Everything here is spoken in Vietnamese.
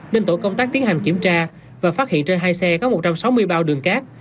nên tổ công tác tiến hành kiểm tra và phát hiện trên hai xe có một trăm sáu mươi bao đường cát